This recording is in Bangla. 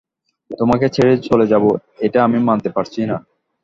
তোমাকে ছেড়ে চলে যাবো এটা আমি মানতেই পারছি না।